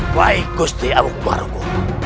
baik gusti abu abu